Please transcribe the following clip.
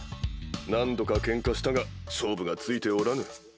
何度かケンカしたが勝負がついておらぬ。